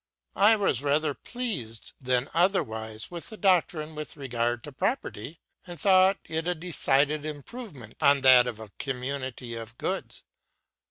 I was rather pleased than otherwise with the doctrine with regard to property, and thought it a decided improvement on that of a community of goods.